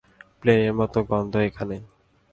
প্লেনের মত গন্ধ এখানে।